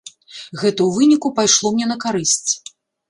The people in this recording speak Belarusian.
Гэта ў выніку пайшло мне на карысць.